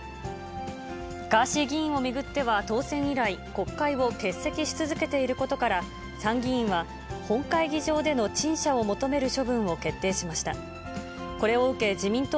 ガーシー議員を巡っては、当選以来、国会を欠席し続けていることから、参議院は、本会議場での陳謝を求める処分を決定しました。